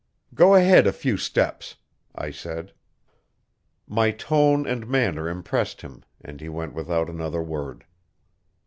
"Go ahead a few steps," I said. My tone and manner impressed him, and he went without another word.